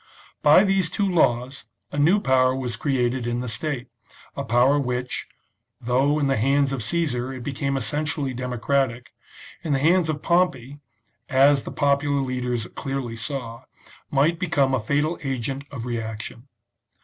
By these two laws a new power was created in the state, a power which, though in the hands of Caesar it became essentially democratic, in the hands of Pompey, as the popular leaders clearly saw, might become a fatal agent of reaction.